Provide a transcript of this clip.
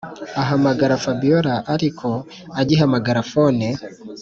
ahamagara fabiora ariko agihamagara phone